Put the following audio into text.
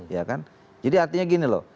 ya kan jadi artinya gini loh